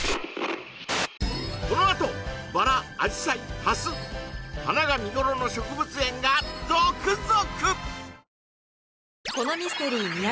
このあとバラアジサイハス花が見頃の植物園が続々！